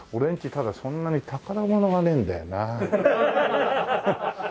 ただそんなに宝物がねえんだよな。